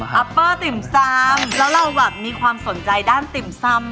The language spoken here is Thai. จ๊อบติ่มซ่อมแล้วเรามีความสนใจด้านติ่มซ่อม